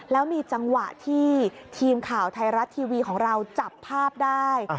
แล้วมีจังหวะที่ทีมข่าวไทยรัฐทีวีของเราจับภาพได้